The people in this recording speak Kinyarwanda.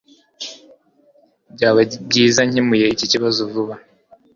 Byaba byiza nkemuye iki kibazo vuba